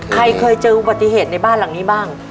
เคยเจออุบัติเหตุในบ้านหลังนี้บ้าง